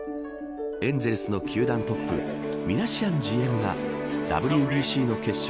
エンゼルスの球団トップミナシアンＧＭがＷＢＣの決勝